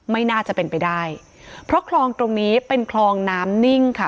ไม่น่าจะเป็นไปได้เพราะคลองตรงนี้เป็นคลองน้ำนิ่งค่ะ